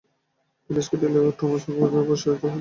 তিনি স্কটীয় লেখক Thomas Carlyle কর্তৃক প্রভাবিত হয়েছিলেন।